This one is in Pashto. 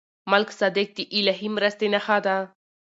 ملک صادق د الهي مرستې نښه ده.